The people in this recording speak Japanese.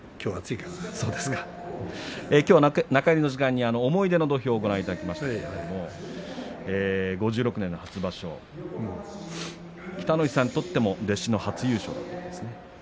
中入りの時間に思い出の土俵をご覧いただきましたけれど昭和５６年初場所北の富士さんにとっても弟子の初優勝ですね。